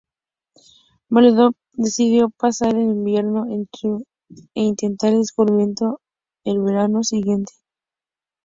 Middleton decidió pasar el invierno en Churchill, e intentar el descubrimiento el verano siguiente.